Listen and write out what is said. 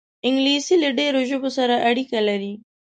انګلیسي له ډېرو ژبو سره اړیکه لري